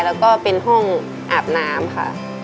แล้วก็เป็นห้องอาบน้ำค่ะ